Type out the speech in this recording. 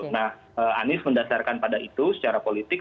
nah anies mendasarkan pada itu secara politik